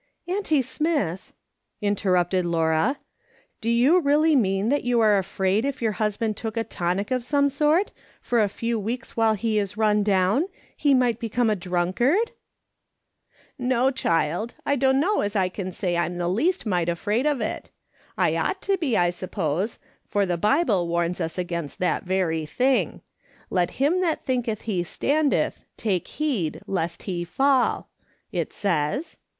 "Auntie Smith," interrupted Laura, " do you really mean that you are afraid if your husband took a tonic of some sort, for a few weeks while he is run down, he might become a drunkard ?"" No, child ; I dunno as I can say I'm the least mite afraid of it ; I ought to be, I suppose, for the Bible warns us against that very thing :' Let him that thinketh he standeth, take heed least he fall,' it says.